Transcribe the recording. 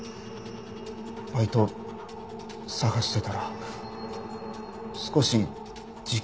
バイト探してたら少し時給のいいのがあって。